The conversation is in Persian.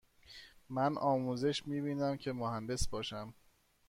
من آموزش می بینم که مهندس باشم.